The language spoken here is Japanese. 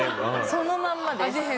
そのまんまです。